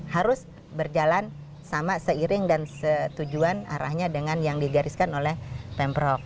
harus berjalan sama seiring dan setujuan arahnya dengan yang digariskan oleh pemprov